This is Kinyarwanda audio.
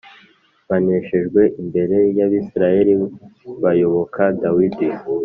baneshejwe imbere y’Abisirayeli bayoboka Dawidi